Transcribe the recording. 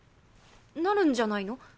なるんじゃないの？